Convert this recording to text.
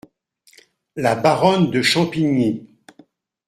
La Baronne de Champigny .